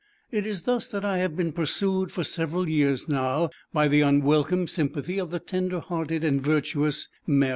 It is thus that I have been pursued for several years now by the unwelcome sympathy of the tender hearted and virtuous Mary A